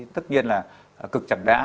tất nhiên là cực chẳng đã